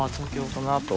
そのあと。